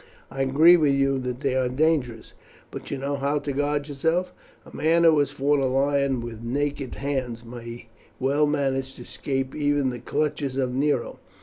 I agree with you that they are dangerous; but you know how to guard yourself. A man who has fought a lion with naked hands may well manage to escape even the clutches of Nero.